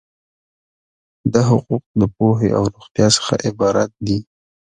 دا حقوق د پوهې او روغتیا څخه عبارت دي.